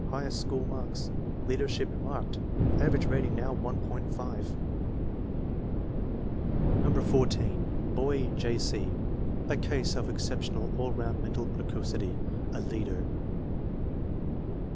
Highest school marks. Leadership marked. Average rating now, 1.50. No. 14. Boy: J. C. A case of exceptional all round mental precocity. A leader.